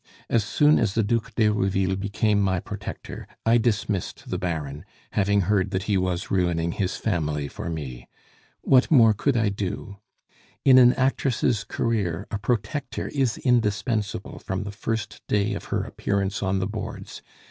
As soon as the Duc d'Herouville became my protector, I dismissed the Baron, having heard that he was ruining his family for me. What more could I do? In an actress' career a protector is indispensable from the first day of her appearance on the boards.